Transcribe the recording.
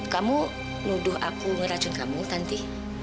kamu nuduh aku ngeracun kamu tanti